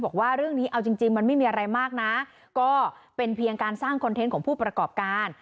บอกว่าเรื่องนี้เอาจริงมันไม่มีอะไรมากนะก็เป็นเพียงการสร้างคอนเทนต์ของผู้ประกอบการ